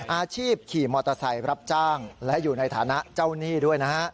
ขี่มอเตอร์ไซค์รับจ้างและอยู่ในฐานะเจ้าหนี้ด้วยนะฮะ